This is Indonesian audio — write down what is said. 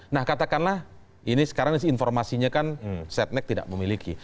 nah katakanlah ini sekarang informasinya kan setnek tidak memiliki